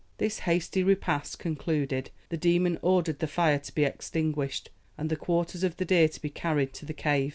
This hasty repast concluded, the demon ordered the fire to be extinguished, and the quarters of the deer to be carried to the cave.